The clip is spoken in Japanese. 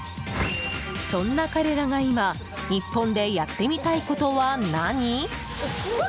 そんな彼らが今日本でやってみたいことは何？